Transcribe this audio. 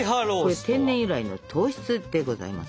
これ天然由来の糖質でございます。